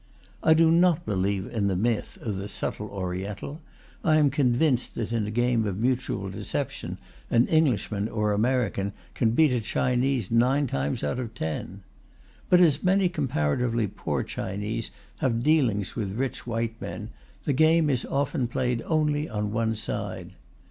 I do not believe in the myth of the "Subtle Oriental": I am convinced that in a game of mutual deception an Englishman or American can beat a Chinese nine times out of ten. But as many comparatively poor Chinese have dealings with rich white men, the game is often played only on one side.